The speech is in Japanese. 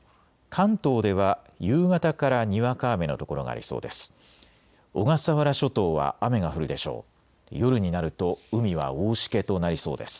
関東では夕方からにわか雨の所がありそうです。